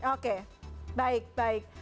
oke baik baik